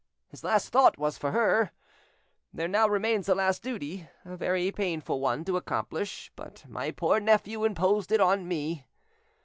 His last thought was for her.... There now remains the last duty, a very painful one to accomplish, but my poor nephew imposed it on me.